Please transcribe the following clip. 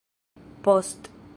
post